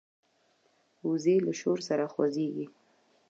وزې له شور سره ځورېږي